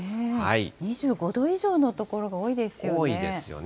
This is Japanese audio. ２５度以上の所が多いですよね。